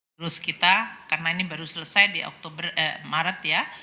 terus kita karena ini baru selesai di oktober maret ya